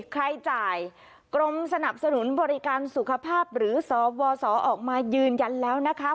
จ่ายกรมสนับสนุนบริการสุขภาพหรือสวสออกมายืนยันแล้วนะคะ